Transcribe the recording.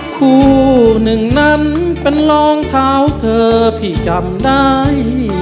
คู่หนึ่งนั้นเป็นรองเท้าเธอพี่จำได้